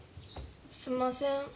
すんません。